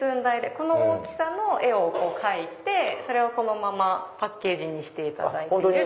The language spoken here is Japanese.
この大きさの絵を描いてそれをそのままパッケージにしていただいてる。